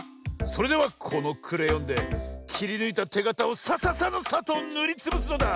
それではこのクレヨンできりぬいたてがたをサササのサッとぬりつぶすのだ！